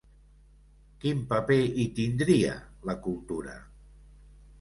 Quin paper hi tindria la cultura?